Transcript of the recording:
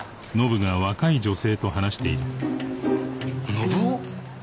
信雄？